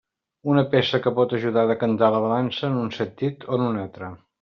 Una peça que pot ajudar a decantar la balança en un sentit o en un altre.